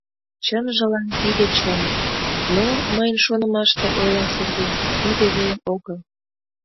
— Чынжылан тиде чын, но, мыйын шонымаште, — ойла Сергей, — тиде веле огыл.